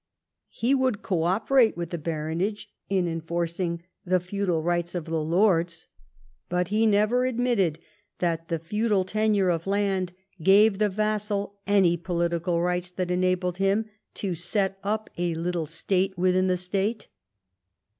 He would co operate with the baronage in enforcing the feudal rights of the lords, but he never admitted that the feudal tenure of land gave the vassal any political rights that enabled him to set up a little state within the state.